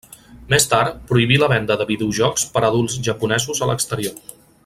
Més tard prohibí la venda de videojocs per a adults japonesos a l'exterior.